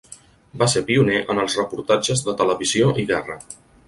Va ser pioner en els reportatges de televisió i guerra.